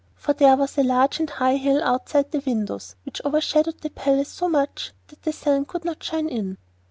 For there was a large and high hill outside the windows which overshadowed the palace so much that the sun could not shine in.